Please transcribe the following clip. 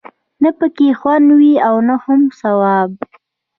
نه پکې خوند وي او نه هم ثواب.